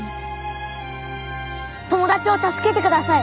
友達を助けてください！